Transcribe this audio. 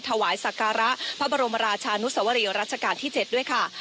ถวายสักการะพระบรมราชานุสวรีรัชกาลที่๗ด้วยค่ะ